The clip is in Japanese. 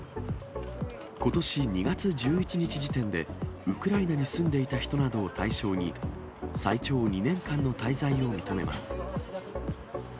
ことし２月１１日時点で、ウクライナに住んでいた人などを対象に、最長２年間の滞在を認めます。